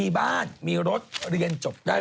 เป็นไปได้ไหม